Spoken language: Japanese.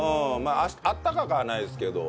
あったかくはないですけど。